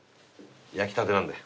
焼きたてなんで。